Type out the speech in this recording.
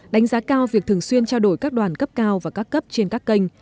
đánh giá cao việc thường xuyên trao đổi các đoàn cấp cao và các cấp trên các kênh